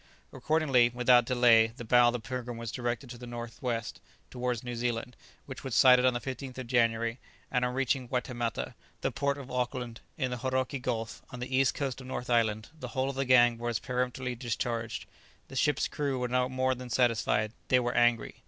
Accordingly, without delay, the bow of the "Pilgrim" was directed to the northwest, towards New Zealand, which was sighted on the 15th of January, and on reaching Waitemata, the port of Auckland, in the Hauraki Gulf, on the east coast of North Island, the whole of the gang was peremptorily discharged. The ship's crew were more than dissatisfied. They were angry.